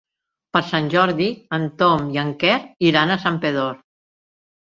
Per Sant Jordi en Tom i en Quer iran a Santpedor.